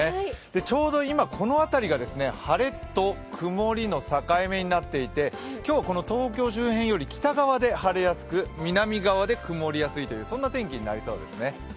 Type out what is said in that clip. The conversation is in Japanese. ちょうど今、この辺りが晴れと曇りの境目になっていて今日、この東京周辺より北側で晴れやすく南側で曇りやすいというそんな天気になりそうですね。